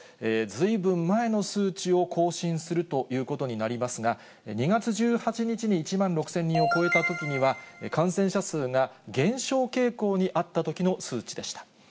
ずいぶん前の数値を更新するということになりますが、２月１８日に１万６０００人を超えたときには、感染者数が減少傾向にあったときの数値でした。